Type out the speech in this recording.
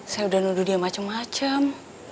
saya udah nuduh dia macem macem